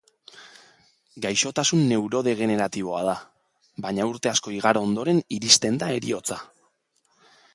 Gaixotasun neurodegeneratiboa da, baina urte asko igaro ondoren iristen da heriotza.